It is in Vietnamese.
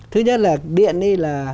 thứ nhất là điện đi là